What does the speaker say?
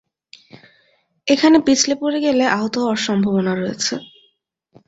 এখানে পিছলে পড়ে গেলে আহত হওয়ার সম্ভাবনা রয়েছে।